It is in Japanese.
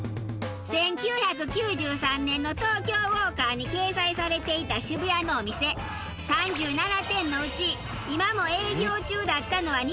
１９９３年の『東京ウォーカー』に掲載されていた渋谷のお店３７店のうち今も営業中だったのは２店。